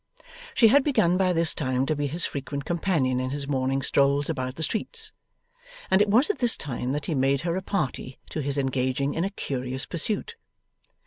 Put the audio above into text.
She had begun by this time to be his frequent companion in his morning strolls about the streets, and it was at this time that he made her a party to his engaging in a curious pursuit.